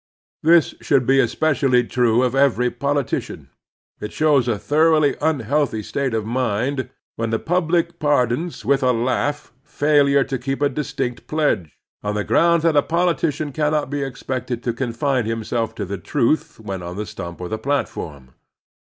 This should be especially true of every politician. It shows a thoroughly unhealthy state of mind when the public pardons with a laugh failure to keep a distinct pledge, on the groxmd that a politician cannot be expected to confine himself to the truth when on the stiunp or the platform.